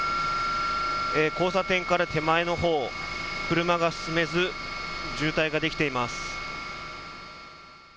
交差点から手前のほう、車が進めず渋滞ができています。